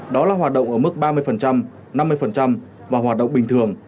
đó là hoạt động ở mức ba mươi năm mươi và hoạt động bình thường